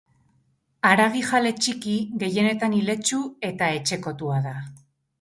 Haragijale txiki, gehienetan iletsu eta etxekotua da.